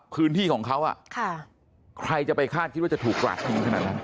พื้นที่ของเขาใครจะไปคาดคิดว่าจะถูกกราดยิงขนาดนั้น